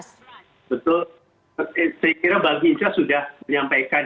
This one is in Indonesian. saya kira bang hinca sudah menyampaikan ya